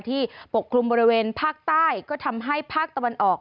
ปกคลุมบริเวณภาคใต้ก็ทำให้ภาคตะวันออก